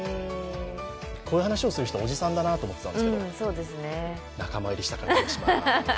こういう話をする人、おじさんだなと思うんですけど、仲間入りした感じがします。